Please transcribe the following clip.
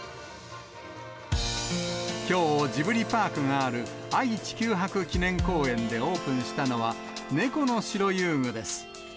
きょう、ジブリパークがある愛・地球博記念公園でオープンしたのは、猫の城遊具です。